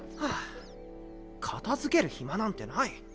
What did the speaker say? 片づける暇なんてない。